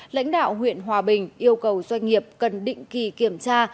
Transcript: lãnh đạo huyện hòa bình yêu cầu doanh nghiệp cần định kỳ kiểm tra